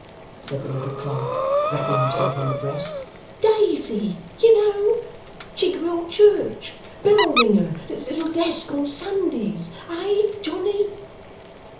said the little clerk, rapping himself on the breast. 'Daisy, you know Chigwell Church bell ringer little desk on Sundays eh, Johnny?